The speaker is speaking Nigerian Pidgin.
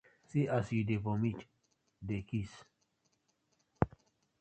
See as yu dey vomit dey kdis.